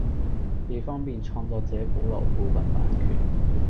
既方便創作者保留部份版權